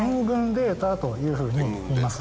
というふうにいいます。